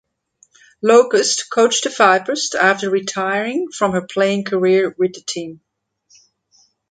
Locust coached the Vipers after retiring from her playing career with the team.